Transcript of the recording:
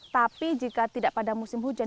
tapi jika tidak pada musim hujan